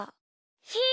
ひー